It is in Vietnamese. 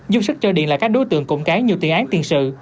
dùng sức cho điện là các đối tượng cộng cái nhiều tiền án tiền sự